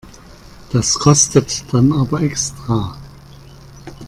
Das kostet dann aber extra.